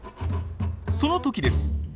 その時です。